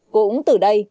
cũng từ đây